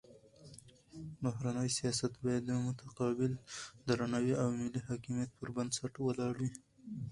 بهرنی سیاست باید د متقابل درناوي او ملي حاکمیت پر بنسټ ولاړ وي.